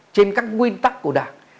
trên các nguyên tắc của đảng